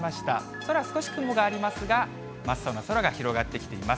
空、少し雲がありますが、真っ青な空が広がってきています。